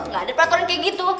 gak ada peraturan kayak gitu